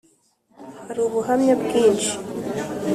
Hari ubuhamya bwinshi